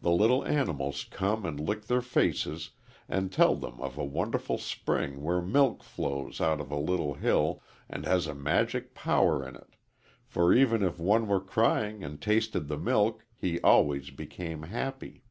The little animals come and lick their faces and tell them of a wonderful spring where milk flows out of a little hill and has a magic power in it, for even if one were crying and tasted the milk he always became happy.